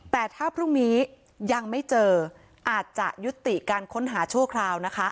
แต่ถ้าพรุ่งนี้ยังไม่เจออาจจะยุติการค้นหาชั่วคราวนะคะ